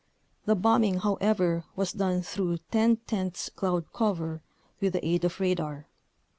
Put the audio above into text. The bombing, however, was done through '% cloud cover with the aid of radar.